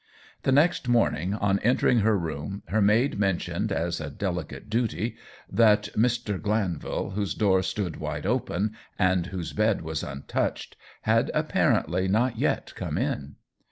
The next morning, on entering her room, her maid mentioned, as a delicate duty, that Mr. Glanvil, whose door stood wide open, and whose bed was untouched, had apparently not yet come in.